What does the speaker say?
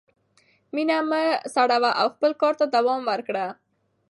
مینه مه سړوه او خپل کار ته دوام ورکړه.